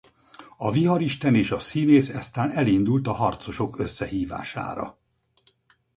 A viharisten és a színész eztán elindult a harcosok összehívására.